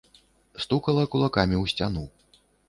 Стукала кулакамі ў сцяну.